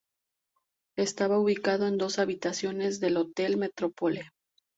Estaba ubicado en dos habitaciones del Hotel Metropole.